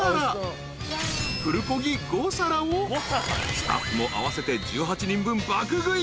［スタッフも合わせて１８人分爆食い。